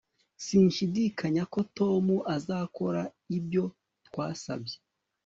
Sinshidikanya ko Tom azakora ibyo twasabye